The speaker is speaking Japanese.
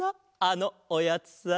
あのおやつさ。